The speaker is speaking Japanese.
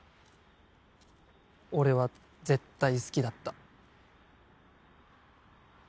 俺は絶対好きだった。